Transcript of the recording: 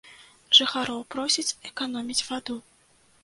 Жыхароў просяць эканоміць ваду.